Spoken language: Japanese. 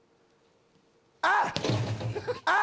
あっ！